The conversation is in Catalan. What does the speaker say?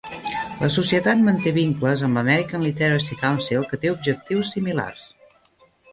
La societat manté vincles amb l'American Literacy Council, que té objectius similars.